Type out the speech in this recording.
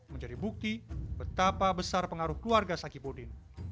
menjadi bukti betapa besar pengaruh keluarga sakipudin